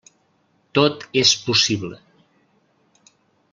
Tot és possible.